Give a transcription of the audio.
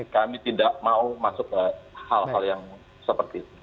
kami tidak mau masuk ke hal hal yang seperti itu